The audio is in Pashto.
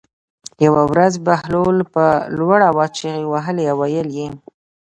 یوه ورځ بهلول په لوړ آواز چغې وهلې او ویلې یې.